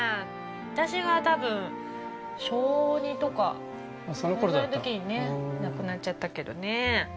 私が多分、小２とか、それぐらいのときに亡くなっちゃったけどね。